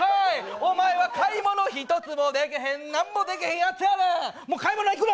お前は買い物ひとつもできひん、何もできひんやつやな！